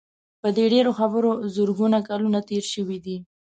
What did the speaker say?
په دې ډېرو خبرو زرګونه کلونه تېر شوي دي.